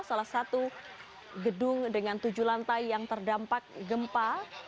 salah satu gedung dengan tujuh lantai yang terdampak gempa